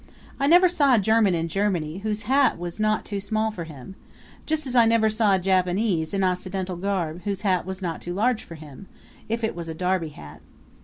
I never saw a German in Germany whose hat was not too small for him just as I never saw a Japanese in Occidental garb whose hat was not too large for him if it was a derby hat.